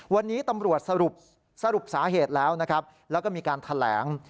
วันนี้ตำรวจสรุปสาเหตุแล้วนะครับแล้วก็มีการแถลง